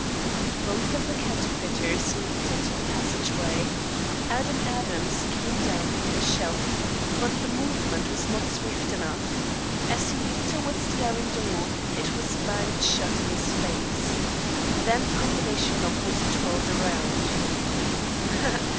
Both of the counterfeiters leaped into the passageway. Adam Adams came down from the shelf. But the movement was not swift enough. As he leaped towards the iron door, it was banged shut in his face. Then the combination knob was twirled around.